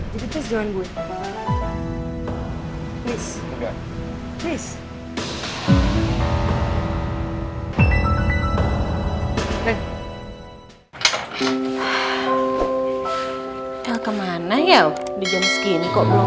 jadi please jangan gue